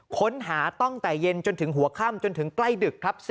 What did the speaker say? ค้นหาตั้งแต่เย็นจนถึงหัวค่ำจนถึงใกล้ดึกครับ